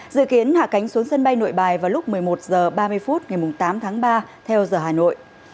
dự kiến hạ cánh xuống sân bay nội bài vào lúc một mươi một h ba mươi phút ngày tám tháng ba theo giờ hà nội